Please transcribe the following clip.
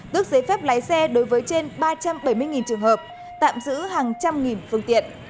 tước giấy phép lái xe đối với trên ba trăm bảy mươi trường hợp tạm giữ hàng trăm nghìn phương tiện